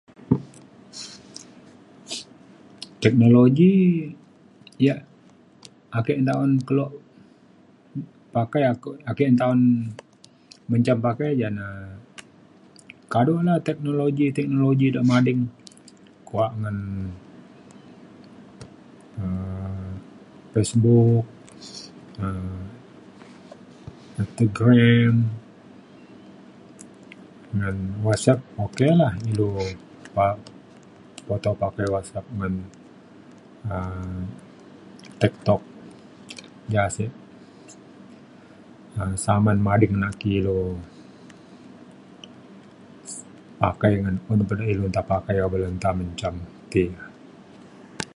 teknologi ia' ake ntaun kelo pakai ako- ake ntaun menjam pakai ja ne kado la teknologi teknologi da mading kuak ngan um Facebook um Instagram ngan WhatsApp okay lah ilu pa- poto pakai WhatsApp ngan um TikTok ja sek um zaman mading naki ilu pakai ngan un peda ilu nta pakai oban le nta mencam ti